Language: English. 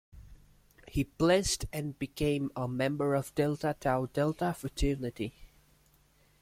He pledged and became a member of the Delta Tau Delta fraternity.